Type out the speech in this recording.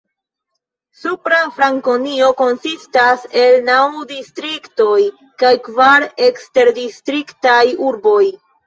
Supra Frankonio konsistas el naŭ distriktoj kaj kvar eksterdistriktaj urboj.